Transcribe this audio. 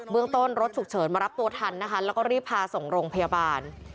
เมืองต้นรถฉุกเฉินมารับตัวทันนะคะแล้วก็รีบพาส่งโรงพยาบาล